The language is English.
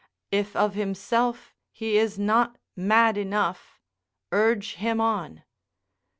if of himself he is not mad enough, urge him on."